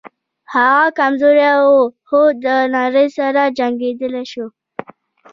هغه کمزوری و خو د نړۍ سره جنګېدلی شو